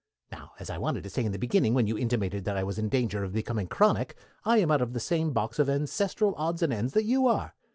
Now, as I wanted to say in the beginning, when you intimated that I was in danger of becoming chronic, I am out of the same box of ancestral odds and ends that you are.